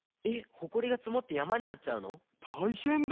ほこりがつもってやまになっちゃうの⁉たいへんだ！